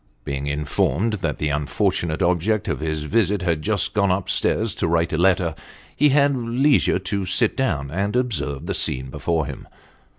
Being informed that the \infortunate object of his visit had just gone up stairs to write a letter, he had leisure to sit down and observe the scene before him.